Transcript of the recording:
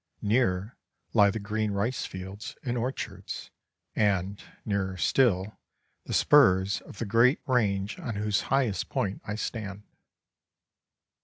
Nearer lie the green rice fields and orchards, and, nearer still, the spurs of the great range on whose highest point I stand.